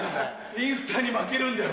インスタに負けるんだよ